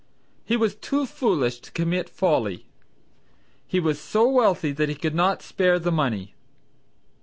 "He was too foolish to commit folly." "He was so wealthy that he could not spare the money."